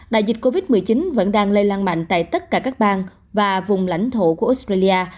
đại dịch covid một mươi chín vẫn đang lây lan mạnh tại tất cả các bang và vùng lãnh thổ của australia